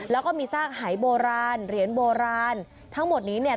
แล้วก็มีซากหายโบราณเหรียญโบราณทั้งหมดนี้เนี่ย